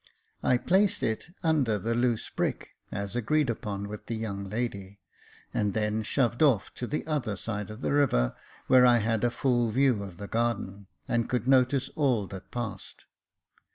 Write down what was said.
I placed it under the loose brick, as agreed upon with the young lady, and then shoved off to the other side of the river, where I had a full view of the garden, and could notice all that passed.